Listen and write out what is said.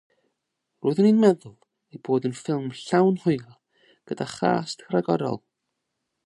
Roeddwn i'n meddwl ei bod yn ffilm llawn hwyl gyda chast rhagorol.